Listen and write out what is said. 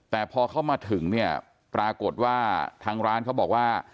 แต่พอเขามาถึงเนี่ยปรากฏว่าทางร้านเขาบอกว่า